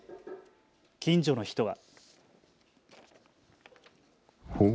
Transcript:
近所の人は。